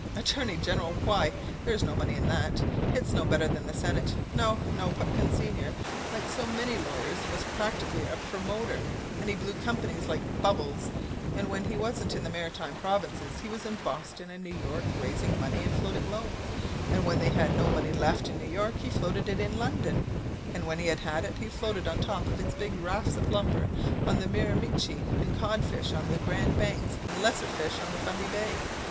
Attorney General! Why, there's no money in that! It's no better than the Senate. No, no, Pupkin senior, like so many lawyers, was practically a promoter, and he blew companies like bubbles, and when he wasn't in the Maritime Provinces he was in Boston and New York raising money and floating loans, and when they had no money left in New York he floated it in London: and when he had it, he floated on top of it big rafts of lumber on the Miramichi and codfish on the Grand Banks and lesser fish in the Fundy Bay.